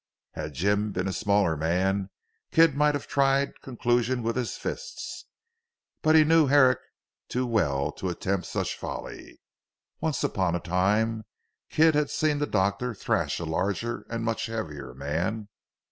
Had Jim been a smaller man, Kidd might have tried conclusion with his fists; but he knew Herrick too well, to attempt such folly. Once upon a time Kidd had seen the doctor thrash a larger and much heavier man.